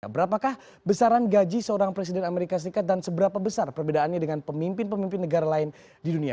berapakah besaran gaji seorang presiden amerika serikat dan seberapa besar perbedaannya dengan pemimpin pemimpin negara lain di dunia